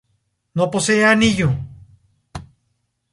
No posee anillo.